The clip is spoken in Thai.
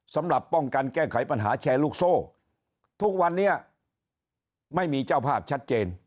สำหรับป้องกันแก้ไขปัญหาแชร์ลูกโซ่ทุกวันนี้ไม่มีเจ้าภาพชัดเจน